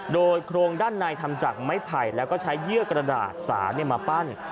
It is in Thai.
โดยโครงด้านในทำจากไม้ไผ่แล้วก็ใช้เยื่อกระดาษสารมาปั้น